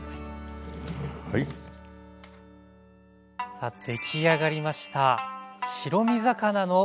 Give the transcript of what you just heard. さあ出来上がりました。